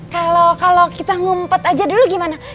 kalau kita ngumpet aja dulu gimana